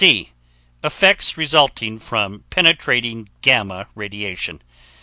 C. Effects resulting from penetrating gamma radiation.